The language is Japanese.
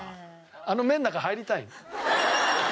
あの目の中入りたいな。